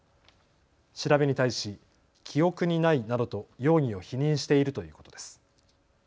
調べに対し記憶にないなどと容疑を否認しているということです。